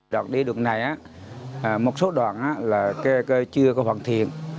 đoạn đi đường này một số đoạn chưa hoàn thiện